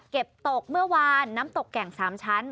เก็บตกเมื่อวานน้ำตกแก่ง๓ชั้น